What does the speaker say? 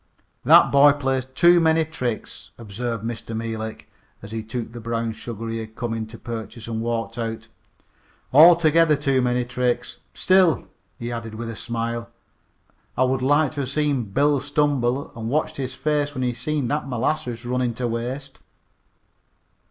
"That boy plays too many tricks," observed Mr. Meelik as he took the brown sugar he had come in to purchase and walked out. "Altogether too many tricks. Still," he added with a smile, "I would like to have seen Bill stumble and watched his face when he seen that molasses runnin' to waste."